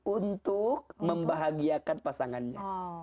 untuk membahagiakan pasangannya